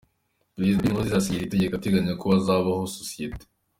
Perezida Pierre Nkurunziza yasinye iri tegeko ateganya ko hazabaho sosiyete.